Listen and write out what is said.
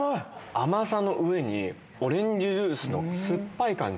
甘さの上にオレンジジュースの酸っぱい感じ